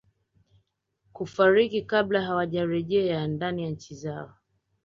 kufariki kabla hawajerejea ndani ya nchi zao